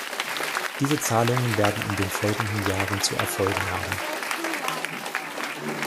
Diese Zahlungen werden in den folgenden Jahren zu erfolgen haben.